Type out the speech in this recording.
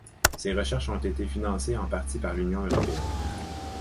Ces recherches ont été financées en partie par l'Union européenne.